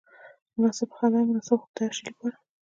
مناسبه خندا او مناسب خوب د هر شي لپاره.